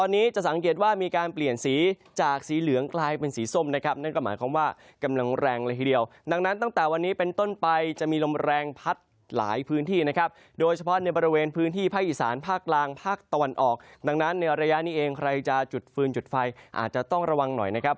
ในระยะนี้เองใครจะจุดฟืนจุดไฟอาจจะต้องระวังหน่อยนะครับ